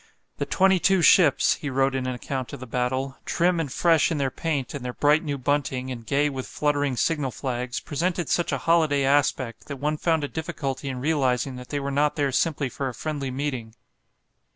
"The twenty two ships," he wrote in an account of the battle, "trim and fresh in their paint and their bright new bunting, and gay with fluttering signal flags, presented such a holiday aspect, that one found a difficulty in realizing that they were not there simply for a friendly meeting."